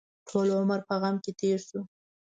ټول عمر په غم کې تېر شو.